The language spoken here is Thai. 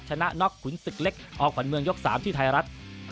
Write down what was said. ชนะน็อกขุนศึกเล็กอขวัญเมืองยก๓ที่ไทยรัฐ